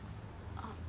あっ。